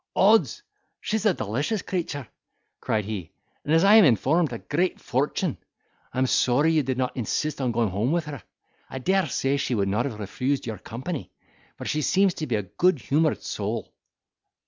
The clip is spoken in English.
"Odds! she's a delicious creature!" cried he, "and, as I am informed, a great fortune. I am sorry you did not insist on going home with her. I dare say, she would not have refused your company; for she seems to be a good humoured soul."